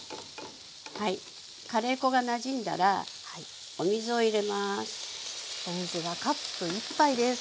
カレー粉がなじんだらお水を入れます。